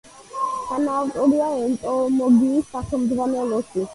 თანაავტორია ენტომოლოგიის სახელმძღვანელოსი.